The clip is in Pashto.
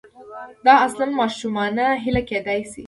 دا اصلاً ماشومانه هیله کېدای شي.